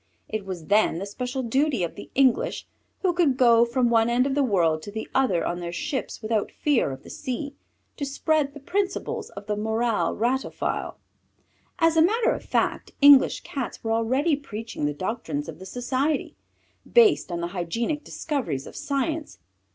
It was then the special duty of the English, who could go from one end of the world to the other on their ships without fear of the sea, to spread the principles of the morale ratophile. As a matter of fact English Cats were already preaching the doctrines of the Society, based on the hygienic discoveries of science.